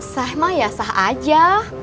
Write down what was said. sah mah ya sah aja